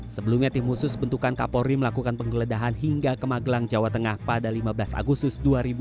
sebelumnya tim khusus bentukan kapolri melakukan penggeledahan hingga ke magelang jawa tengah pada lima belas agustus dua ribu dua puluh